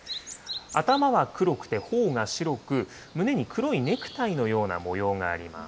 頭は黒くてほおが白く、胸に黒いネクタイのような模様があります。